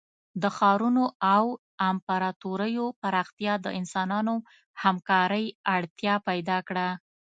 د ښارونو او امپراتوریو پراختیا د انسانانو همکارۍ اړتیا پیدا کړه.